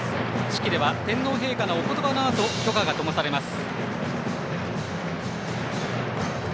式では天皇陛下のおことばのあと炬火がともされます。